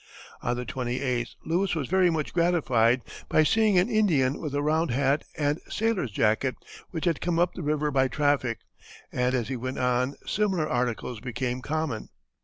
On the 28th Lewis was very much gratified by seeing an Indian with a round hat and sailor's jacket, which had come up the river by traffic; and as he went on similar articles became common.